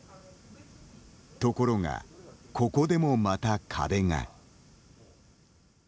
ところがここでも、また壁が。